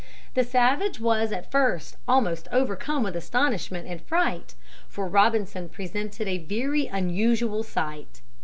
The savage was at first almost overcome with astonishment and fright, for Robinson presented a very unusual sight.